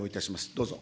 どうぞ。